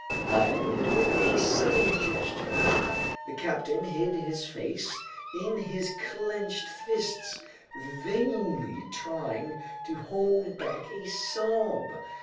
And with a sudden gesture, the captain hid his face in his clenched fists, vainly trying to hold back a sob.